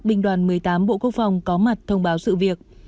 binh đoàn một mươi tám bộ quốc phòng có mặt thông báo sự việc